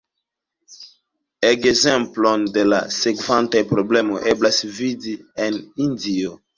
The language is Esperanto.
Ekzemplon de la sekvantaj problemoj eblas vidi en Hindio.